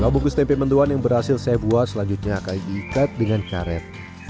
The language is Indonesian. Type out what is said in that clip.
lima bungkus tempe mendoan yang berhasil saya buat selanjutnya akan diikat dengan karet